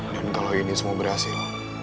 dan kalo ini semua berhasil